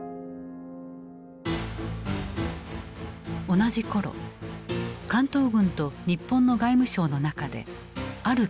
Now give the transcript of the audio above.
同じ頃関東軍と日本の外務省の中である計画が進められていた。